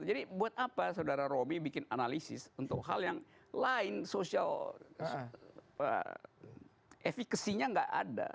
jadi buat apa saudara romy bikin analisis untuk hal yang lain sosial efeksinya nggak ada